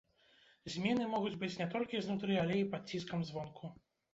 Змены могуць быць не толькі знутры, але і пад ціскам звонку.